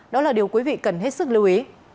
đó là điều quý vị cần hết sức lưu ý